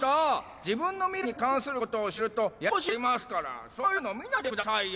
自分の未来に関することを知るとややこしいことになりますからそういうの見ないでくださいよ。